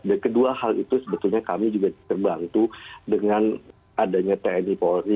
dan kedua hal itu sebetulnya kami juga terbantu dengan adanya tni polri